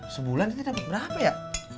sebulan kita dapet berapa ya